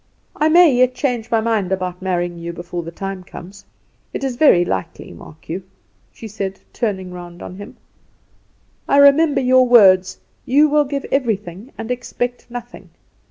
"I may yet change my mind about marrying you before the time comes. It is very likely. Mark you!" she said, turning round on him; "I remember your words: You will give everything, and expect nothing.